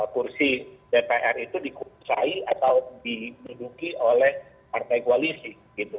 kursi dpr itu dikursai atau dimuduki oleh partai koalisi gitu